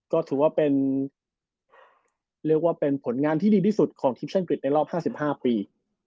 ก็ถือว่าเป็นผลงานที่ดีที่สุดของทิปชั่นกริตในรอบ๕๕ปี